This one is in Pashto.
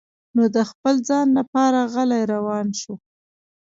نو د خپل ځان لپاره غلی روان شو.